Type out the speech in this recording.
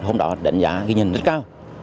hôm đó đánh giá ghi nhận rất cao